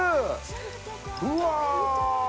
うわ。